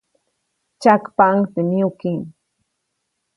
Tsyakpaʼuŋ teʼ myuki.